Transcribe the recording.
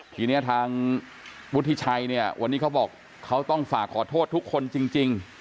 ทีนี้ทางวุฒิชัยเนี่ยวันนี้เขาบอกเขาต้องฝากขอโทษทุกคนจริง